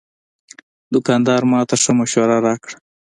دوکاندار ماته ښه مشوره راکړه.